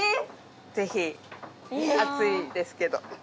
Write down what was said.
ぜひ熱いですけど